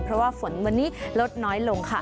เพราะว่าฝนวันนี้ลดน้อยลงค่ะ